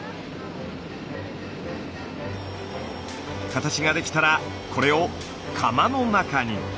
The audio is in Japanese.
形ができたらこれを窯の中に。